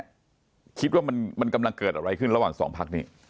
ก้าวกลายนัดขณะนี้คิดว่ามันกำลังเกิดอะไรขึ้นระหว่างสองพักนี้